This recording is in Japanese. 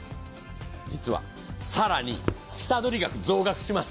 実は更に、下取り額を増額いたします。